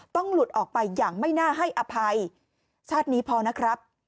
หลุดออกไปอย่างไม่น่าให้อภัยชาตินี้พอนะครับ